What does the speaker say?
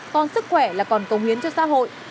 còn sức khỏe là còn cầu huyến cho xã hội